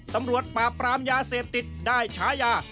ตำรวจปราบปรามยาเสพติดได้ฉายา